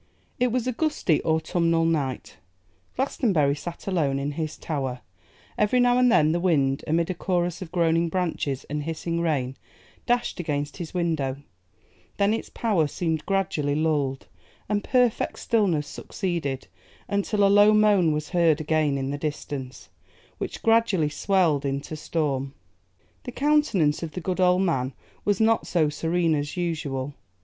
IT WAS a gusty autumnal night; Glastonbury sat alone in his tower; every now and then the wind, amid a chorus of groaning branches and hissing rain, dashed against his window; then its power seemed gradually lulled, and perfect stillness succeeded, until a low moan was heard again in the distance, which gradually swelled into storm. The countenance of the good old man was not so serene as usual.